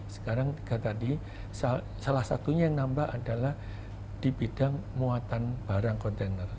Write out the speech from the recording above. sekarang tiga tadi salah satunya yang nambah adalah di bidang muatan barang kontainer